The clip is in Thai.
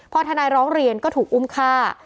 พอทนายร้องเรียนก็ถูกอุ้มฆ่า